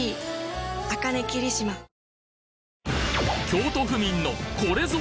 京都府民のこれぞ